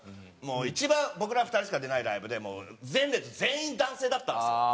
一番僕ら２人しか出ないライブで前列全員男性だったんですよ。